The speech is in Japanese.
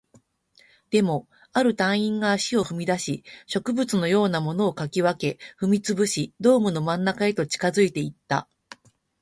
でも、ある隊員が足を踏み出し、植物のようなものを掻き分け、踏み潰し、ドームの真ん中へと近づいていった